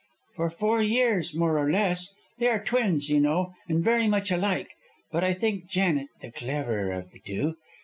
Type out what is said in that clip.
"For four years, more or less. They are twins, you know, and very much alike, but I think Janet the cleverer of the two.